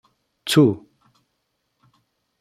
Ttu!